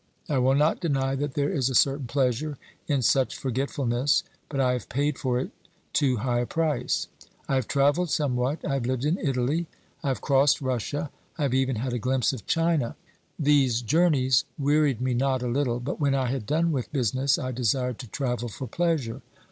I will not deny that there is a certain pleasure in such forge tfulness, but I have paid for it too high a price. I have travelled somewhat, I have lived in Italy, I have crossed Russia, I have even had a glimpse of China. These journeys wearied me not a little, but when I had done with business I desired to travel for pleasure.